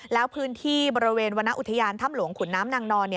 แล้วพื้นที่บริเวณวรรณอุทยานถ้ำหลวงขุนน้ำนางนอน